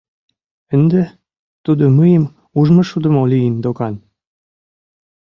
Ынде тудо мыйым ужмышудымо лийын докан!